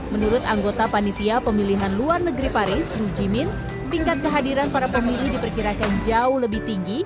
menurut anggota panitia pemilihan luar negeri paris rujimin tingkat kehadiran para pemilih diperkirakan jauh lebih tinggi